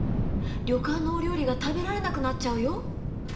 旅館のお料理が食べられなくなっちゃうよ。